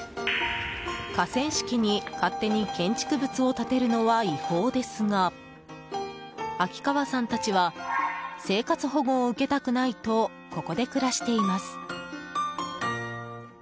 河川敷に勝手に建築物を建てるのは違法ですが秋川さんたちは生活保護を受けたくないとここで暮らしています。